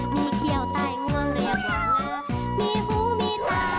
มีเขียวใต้งวงเรียกหวางอ้าวมีหูมีตาหางยาว